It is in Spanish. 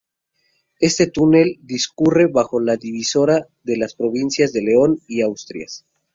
Este túnel discurre bajo la divisoria de las provincias de León y Asturias.